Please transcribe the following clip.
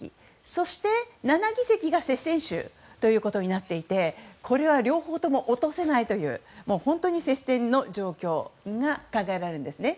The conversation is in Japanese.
そして、７議席が接戦州となっていてこれは両方とも落とせないという本当に接戦の状況が考えられるんですね。